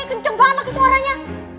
kenceng banget lagi suaranya